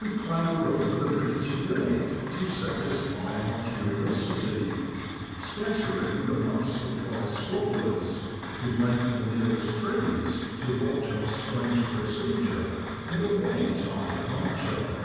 We clamber over the rickety gate to satisfy our curiosity, scattering the much surprised squabblers, who make for the nearest trees to watch our strange procedure and await our departure.